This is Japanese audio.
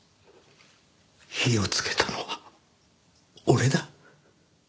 火をつけたのは俺だ。